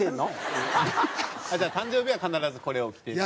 あっじゃあ誕生日は必ずこれを着てっていう？